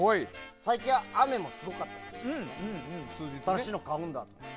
最近は雨もすごかったし新しいの買おうと。